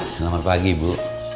selamat pagi bu